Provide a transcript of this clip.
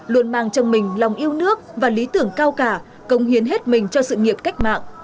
luôn mang trong mình lòng yêu nước và lý tưởng cao cả công hiến hết mình cho sự nghiệp cách mạng